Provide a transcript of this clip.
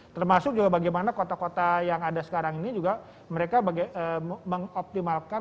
termasuk juga bagaimana kota kota yang ada sekarang ini juga mereka mengoptimalkan